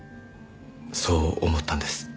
そう思ったんです。